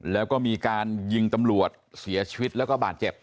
แล้วก็มีการยิงตำรวจเสียชีวิตแล้วก็บาดเจ็บ